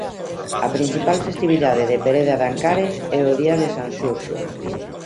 A principal festividade de Pereda de Ancares é o día de San Xurxo.